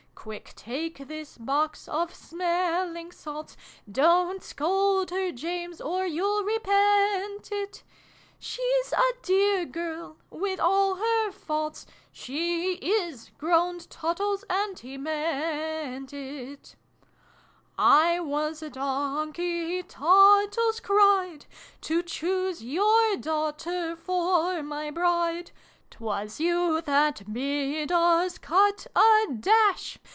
" Quick ! Take this box of smelling salts ! Dont scold her, James, or you'll repent it, She's a dear girl, with all her fait Its " She is !" groaned Tattles (and he meant it]. " I was a donkey" Tottles cried, " To choose your daughter for my bride !' Twas you that bid us cut a dash